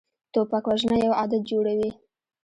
توپک وژنه یو عادت جوړوي.